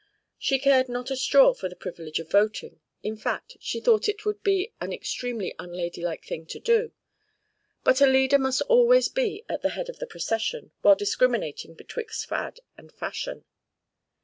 She cared not a straw for the privilege of voting; in fact, she thought it would be an extremely unladylike thing to do; but a leader must always be at the head of the procession, while discriminating betwixt fad and fashion.